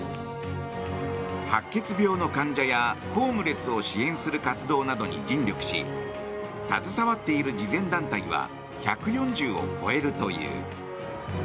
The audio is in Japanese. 白血病の患者や、ホームレスを支援する活動などに尽力し携わっている慈善団体は１４０を超えるという。